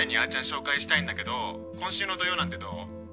紹介したいんだけど今週の土曜なんてどお？